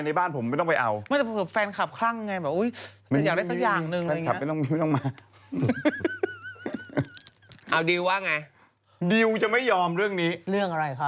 ดิวตามล่าคนรุมทำร้ายเพื่อนผู้หญิง